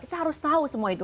kita harus tahu semua itu